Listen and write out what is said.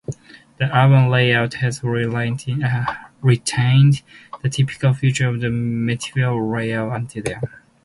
The urban layout has retained the typical features of the medieval layout until then.